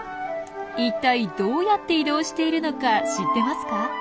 一体どうやって移動しているのか知ってますか？